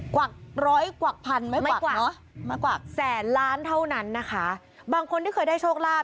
กวักร้อยกวักพันไม่มากกว่าเนอะมากกว่าแสนล้านเท่านั้นนะคะบางคนที่เคยได้โชคลาภ